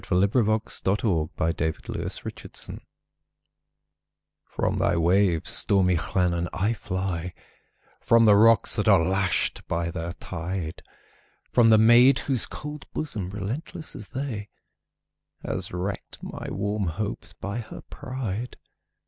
Wales: Llannon Song By Anna Seward (1747–1809) FROM thy waves, stormy Llannon, I fly; From thy rocks, that are lashed by their tide; From the maid whose cold bosom, relentless as they, Has wrecked my warm hopes by her pride!